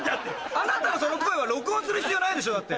あなたのその声は録音する必要ないでしょだって。